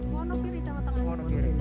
mono kiri sama tengah kiri